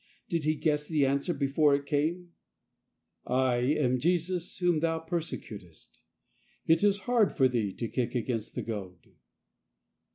Did he guess the answer before it came ?" I am Jesus, whom thou persecutest. It is hard for thee to kick against the goad."